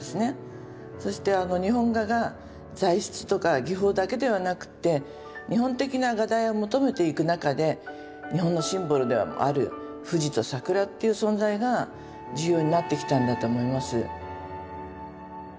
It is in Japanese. そして日本画が材質とか技法だけではなくって日本的な画題を求めていく中で日本のシンボルでもある富士と桜という存在が重要になってきたんだと思います。